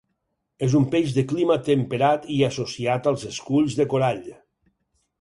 És un peix de clima temperat i associat als esculls de corall.